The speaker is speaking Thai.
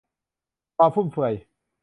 ความฟุ่มเฟือย